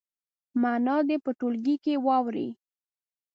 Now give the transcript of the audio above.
معنا دې په ټولګي کې واوروي.